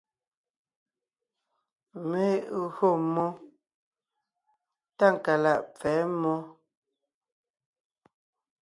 Mé gÿo mmó Tákalaʼ pfɛ̌ mmó.